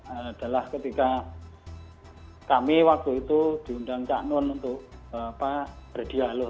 adalah ketika kami waktu itu diundang cak nun untuk berdialog